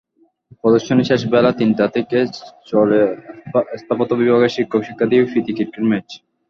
প্রদর্শনী শেষ বেলা তিনটা থেকে চলে স্থাপত্য বিভাগের শিক্ষক-শিক্ষার্থী প্রীতি ক্রিকেট ম্যাচ।